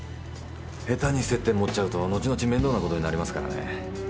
下手に接点持っちゃうと後々面倒なことになりますからね。